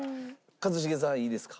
一茂さんいいですか？